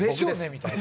みたいな。